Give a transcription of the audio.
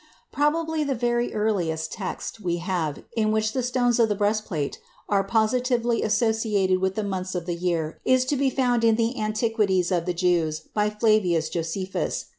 Probably the very earliest text we have in which the stones of the breastplate are positively associated with the months of the year is to be found in the "Antiquities of the Jews," by Flavius Josephus.